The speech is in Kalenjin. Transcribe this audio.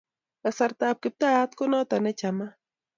Kasartab kiptaiyat, ko notok ne chamat